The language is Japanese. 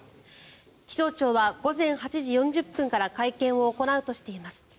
気象庁は午前８時４０分から会見を行うとしています。